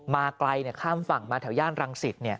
มาไกลข้ามฝั่งมาแถวย่านรังสิต